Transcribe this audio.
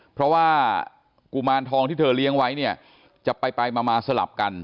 เพราะว่ากุมารทองที่เธอเลี้ยงไว้เนี่ยจะไปมาสลับกัน